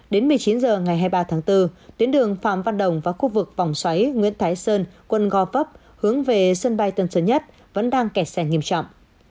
đến một mươi chín h ngày hai mươi ba tháng bốn tuyến đường phạm văn đồng và khu vực vòng xoáy nguyễn thái sơn quận gò vấp hướng về sân bay tân sơn nhất vẫn đang kẹt xe nghiêm trọng